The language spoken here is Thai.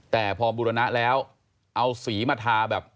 แต่พอบุรณะแล้วเอาสีมาทาแบบ